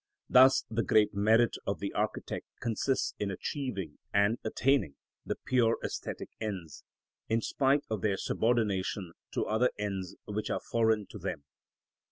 Thus the great merit of the architect consists in achieving and attaining the pure æsthetic ends, in spite of their subordination to other ends which are foreign to them.